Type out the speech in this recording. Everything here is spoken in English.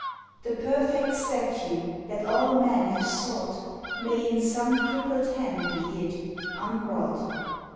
The perfect statue that all men have sought May in some crippled hand be hid, unwrought.